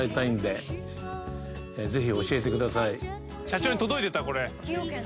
社長に届いてたこれ。